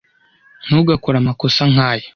Ntugakore amakosa nkaya.